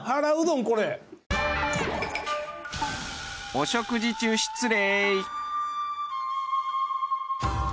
お食事中失礼。